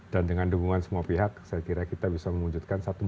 dan dengan dukungan semua pihak saya kira kita bisa mewujudkan satu model